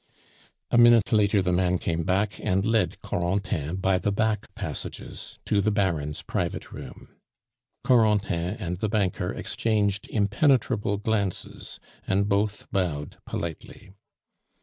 A minute later the man came back and led Corentin by the back passages to the Baron's private room. Corentin and the banker exchanged impenetrable glances, and both bowed politely.